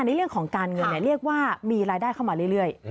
ในเรื่องของการเงินเรียกว่ามีรายได้เข้ามาเรื่อย